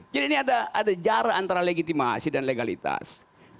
jadi ini ada jarak antara legitimasi dan legalitas